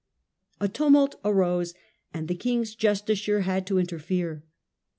A tumult arose, and the king's justiciar had to interfere.